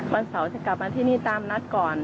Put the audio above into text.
วันเสาร์จะกลับมาที่นี่ตามนัดก่อน